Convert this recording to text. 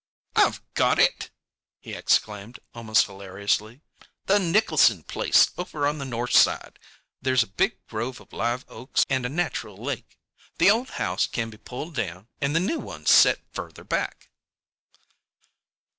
"I've got it!" he exclaimed, almost hilariously—"the Nicholson place, over on the north side. There's a big grove of live oaks and a natural lake. The old house can be pulled down and the new one set further back."